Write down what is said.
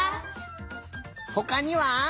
ほかには？